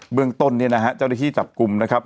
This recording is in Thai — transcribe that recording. เมืองต้นเนี่ยนะฮะเจ้าหน้าที่จับกลุ่มนะครับ